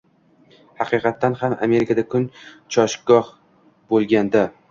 Haqiqatan ham, Amerikada kun choshgoh bo‘lganda